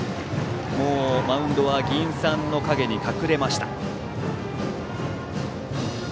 マウンドは銀傘の陰に隠れました。